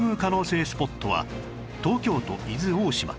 スポットは東京都伊豆大島